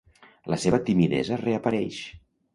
La seva timidesa reapareix.